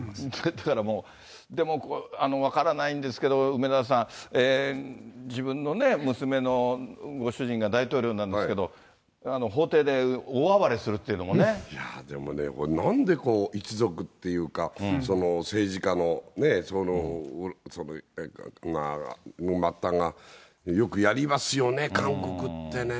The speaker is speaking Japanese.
だからもう、でも分からないんですけど、梅沢さん、自分の娘のご主人が大統領なんですけど、でもね、これなんで一族っていうか、政治家の末端がよくやりますよね、韓国ってね。